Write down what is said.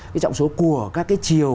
cái trọng số của các cái chiều